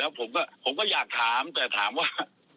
ผมก็อยากถามแต่ถามว่า